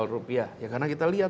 rupiah ya karena kita lihat